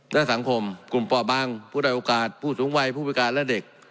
และสังคมกลุ่มป่อบังผู้ได้โอกาสผู้สูงวัยผู้พิการและเด็ก